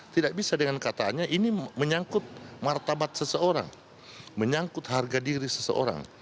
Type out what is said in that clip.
tidak bisa dengan katanya ini menyangkut martabat seseorang menyangkut harga diri seseorang